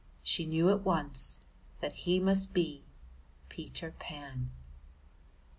She knew at once that he must be Peter Pan.